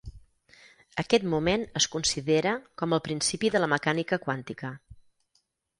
Aquest moment es considera com el principi de la Mecànica quàntica.